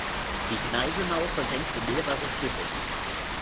Die Gneisenau versenkte mehrere Schiffe.